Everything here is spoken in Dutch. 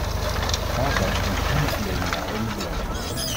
Gaza stond sinds juni verleden jaar onder beleg.